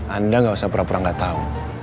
anda gak usah pura pura gak tau